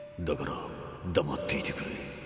だからだまっていてくれ。